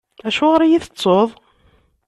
Acuɣeṛ i iyi-tettuḍ?